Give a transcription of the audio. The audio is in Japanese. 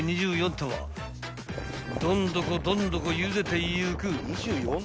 ［どんどこどんどこゆでていく］